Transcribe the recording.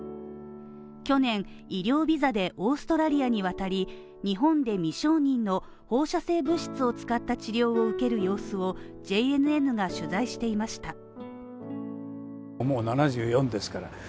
去年、医療ビザでオーストラリアに渡り、日本で未承認の放射性物質を使った治療を受ける様子をＪＮＮが取材していました。